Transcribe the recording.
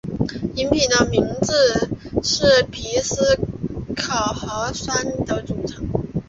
饮品的名字是皮斯可和酸的组合。